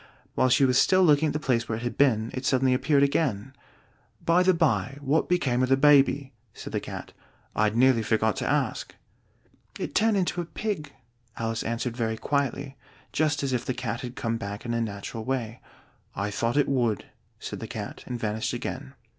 While she was still looking at the place where it had been, it suddenly appeared again. "By the by, what became of the baby?" said the Cat. "I'd nearly forgotten to ask." "It turned into a pig," Alice answered very quietly, just as if the Cat had come back in a natural way. "I thought it would," said the Cat, and vanished again.